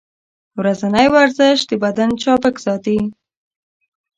ورځنی ورزش د بدن چابک ساتي.